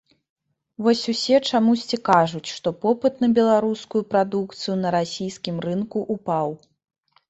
Вось усе чамусьці кажуць, што попыт на беларускую прадукцыю на расійскім рынку ўпаў.